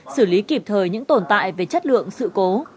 xử lý kịp thời những tồn tại về chất lượng sự cố